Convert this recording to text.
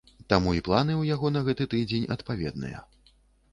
Таму і планы ў яго на гэты тыдзень адпаведныя.